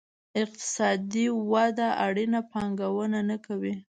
اقتصادي وده اړینه پانګونه نه کوي.